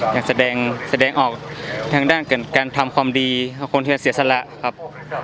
อยากแสดงออกทางด้านการทำความดีของคนที่จะเสียสละครับ